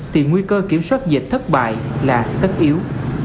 thì nguy cơ kiểm soát dịch thất bài là tất yếu